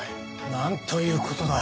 なんという事だ。